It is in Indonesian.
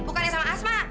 bukannya sama asma